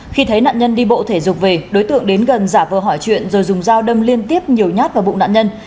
khi thấy nạn nhân đi bộ thể dục về đối tượng đến gần giả vờ hỏi chuyện rồi dùng dao đâm liên tiếp nhiều nhát vào bụng nạn nhân